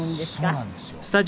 そうなんですよ。